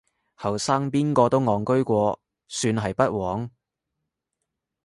後生邊個都戇居過，算係不枉